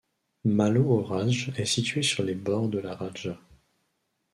Malo Orašje est situé sur les bords de la Ralja.